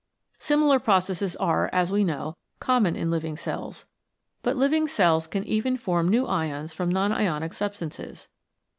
Similar processes are, as we know, common in living cells. But living cells can even form new ions from non ionic substances.